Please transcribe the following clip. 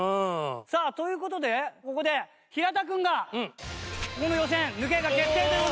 さあという事でここで平田君がこの予選抜けが決定という事で。